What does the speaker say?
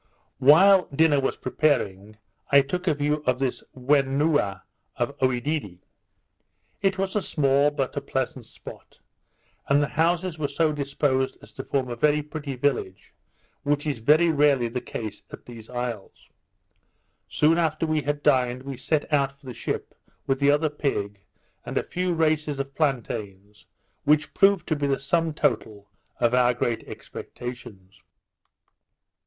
While dinner was preparing, I took a view of this Whenooa of Oedidee. It was a small, but a pleasant spot; and the houses were so disposed as to form a very pretty village, which is very rarely the case at these isles, Soon after we had dined, we set out for the ship, with the other pig, and a few races of plantains, which proved to be the sum total of our great expectations.